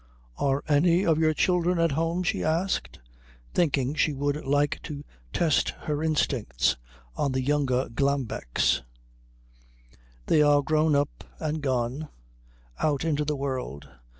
"Are any of your children at home?" she asked, thinking she would like to test her instincts on the younger Glambecks. "They are grown up and gone. Out into the world.